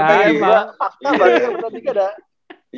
kalau pertanyaan emang fakta baru pertanyaan tiga dah